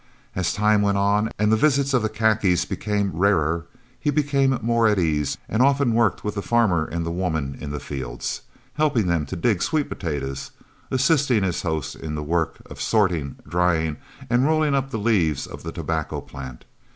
As time went on and the visits of the Khakis became rarer, he became more at ease, and often worked with the farmer and the women in the fields, helping them to dig sweet potatoes, and assisting his host in the work of sorting, drying, and rolling up the leaves of the tobacco plant.